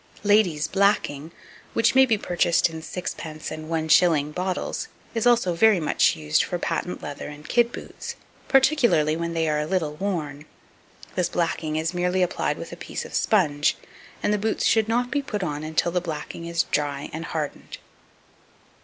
Ladies' blacking, which may be purchased in 6d, and 1s. bottles, is also very much used for patent leather and kid boots, particularly when they are a little worn. This blacking is merely applied with a piece of sponge, and the boots should not be put on until the blacking is dry und hardened.